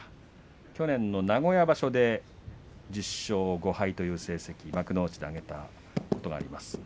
去年の名古屋場所で１０勝５敗という成績を挙げたことがあります。